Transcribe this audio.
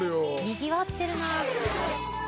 にぎわってるな。